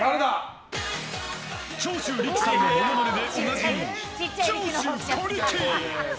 長州力さんのものまねでおなじみ、長州小力。